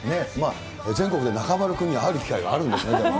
全国で中丸君に会える機会があるそうですね。